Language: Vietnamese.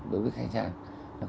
đối với khách hàng